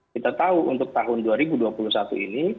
kita tahu untuk tahun dua ribu dua puluh satu ini